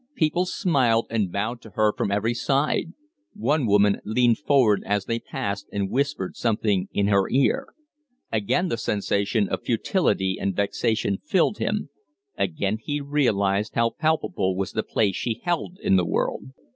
People smiled and bowed to her from every side; one woman leaned forward as they passed and whispered something in her ear. Again the sensation of futility and vexation filled him; again he realized how palpable was the place she held in the world.